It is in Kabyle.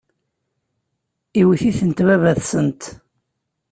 Iwet-itent baba-tsent.